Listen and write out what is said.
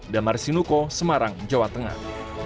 damar sinuko semarang jawa tengah